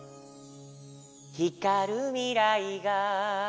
「ひかるみらいが」